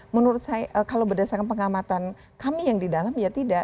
menurut saya kalau berdasarkan pengamatan kami yang di dalam ya tidak